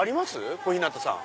小日向さん。